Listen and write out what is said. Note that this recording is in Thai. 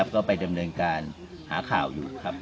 ก็ไปดำเนินการหาข่าวอยู่ครับ